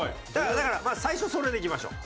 だからまあ最初それでいきましょう。